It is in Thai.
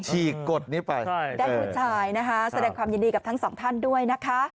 ฉีกกฎนี้ไปได้ผู้ชายนะคะแสดงความยินดีกับทั้งสองท่านด้วยนะคะ